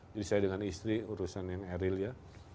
jadi saya dengan istri urusan yang eril ya